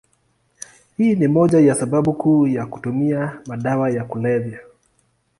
Hii ni moja ya sababu kuu ya kutumia madawa ya kulevya.